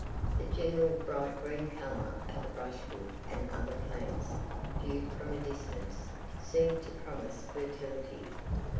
The general bright green colour of the brushwood and other plants, viewed from a distance, seemed to promise fertility.